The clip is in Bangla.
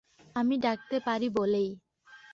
আমি ডাকতে পারি বলেই।